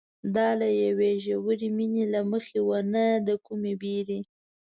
دا له یوې ژورې مینې له مخې وه نه د کومې وېرې.